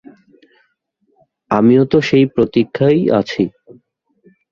আমিও তো সেই প্রতীক্ষায়ই আছি।